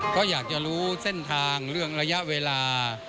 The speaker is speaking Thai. ก็อยากจะรู้เส้นทางเรื่องระยะเวลา